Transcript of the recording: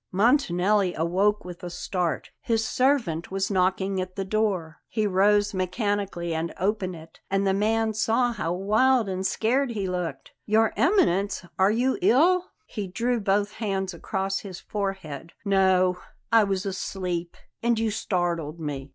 Montanelli awoke with a start. His servant was knocking at the door. He rose mechanically and opened it, and the man saw how wild and scared he looked. "Your Eminence are you ill?" He drew both hands across his forehead. "No; I was asleep, and you startled me."